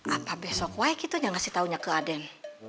apa besok waik itu yang ngasih taunya ke aden